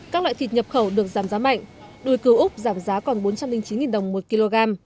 các loại thịt nhập khẩu được giảm giá mạnh đùi cừu úc giảm giá còn bốn trăm linh chín đồng một kg